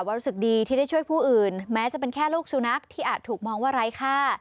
รู้สึกดีที่ได้ช่วยผู้อื่นแม้จะเป็นแค่ลูกสุนัขที่อาจถูกมองว่าไร้ค่า